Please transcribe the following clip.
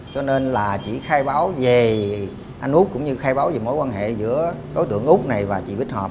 cho nên là chỉ khai báo về anh úc cũng như khai báo về mối quan hệ giữa đối tượng úc này và chỉ bích hợp